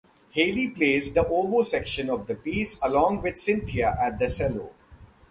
Hailey plays the oboe section of the piece along with Cynthia at the cello.